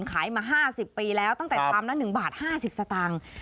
ขายมา๕๐ปีแล้วตั้งแต่ชามละ๑บาท๕๐สตางค์